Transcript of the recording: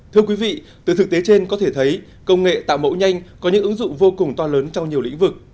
thưa quý vị từ thực tế trên có thể thấy công nghệ tạo mẫu nhanh có những ứng dụng vô cùng to lớn trong nhiều lĩnh vực